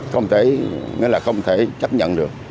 không thể nghĩa là không thể chấp nhận được